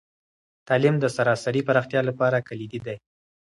تعلیم د سراسري پراختیا لپاره کلیدي دی.